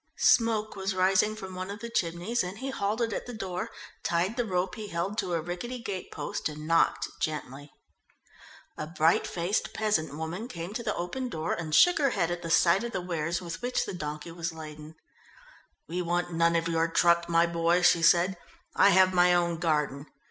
Smoke was rising from one of the chimneys, and he halted at the door, tied the rope he held to a rickety gate post, and knocked gently. A bright faced peasant woman came to the open door and shook her head at the sight of the wares with which the donkey was laden. "We want none of your truck, my boy," she said. "I have my own garden.